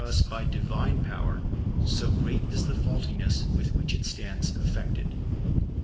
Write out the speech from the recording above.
201 US by divine power ; so grea,t is the faultlness tvith which it stands affected.